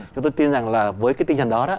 chúng tôi tin rằng là với cái tinh thần đó